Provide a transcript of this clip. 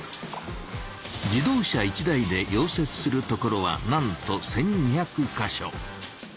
自動車１台で溶接するところはなんと１２００か所。